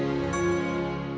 kau mau bertanya